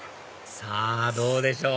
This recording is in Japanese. さぁどうでしょう？